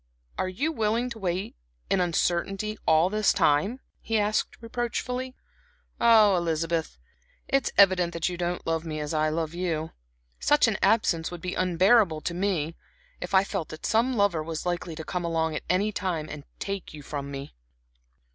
"Are you willing to wait in uncertainty all this time?" he asked, reproachfully. "Ah, Elizabeth, it is evident that you don't love me as I love you. Such an absence would be unbearable to me, if I felt that some lover was likely to come along at any time and take you from me."